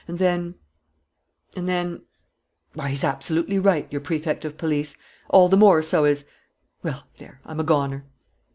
And then ... and then ... why, he's absolutely right, your Prefect of Police!... All the more so as.... Well, there, I'm a goner!"